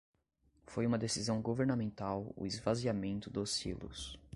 Foi uma decisão governamental o esvaziamento dos silos